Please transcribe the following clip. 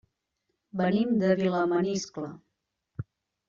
Venim de Vilamaniscle.